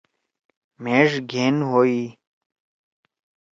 مھیݜ گھین ہوئی۔